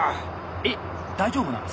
えっ大丈夫なんですか？